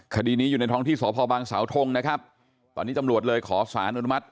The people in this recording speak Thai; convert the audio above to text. คดีนี้อยู่ในท้องที่สพบางสาวทงนะครับตอนนี้ตำรวจเลยขอสารอนุมัติ